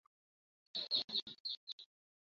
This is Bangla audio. তোমাদের দুজনকে এক্ষুণি জুজুৎসু একাডেমীতে পাঠাচ্ছি!